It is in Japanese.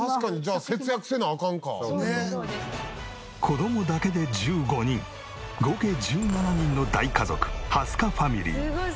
子供だけで１５人合計１７人の大家族蓮香ファミリー。